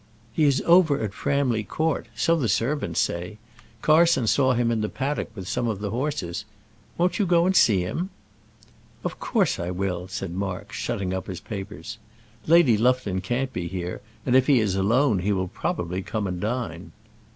"He is over at Framley Court; so the servants say. Carson saw him in the paddock with some of the horses. Won't you go and see him?" "Of course I will," said Mark, shutting up his papers. "Lady Lufton can't be here, and if he is alone he will probably come and dine."